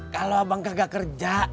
kalo abang kagak kerja